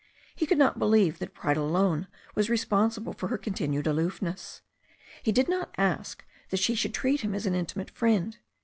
He could not believe that pride alone was responsible for her continued aloofness. He did not ask that she should treat him as an intimate friend.